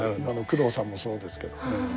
工藤さんもそうですけど。